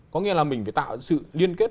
có nghĩa là mình phải tạo sự liên kết